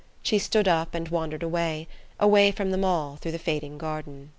She stood up and wandered away, away from them all through the fading garden.